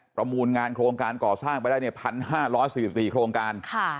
ประมูลงานโครงการก่อสร้างไปได้เนี่ยพันห้าร้อยสิบสี่โครงการค่ะ